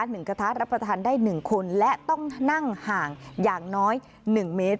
หนึ่งกระทะรับประทานได้หนึ่งคนและต้องนั่งห่างอย่างน้อยหนึ่งเมตร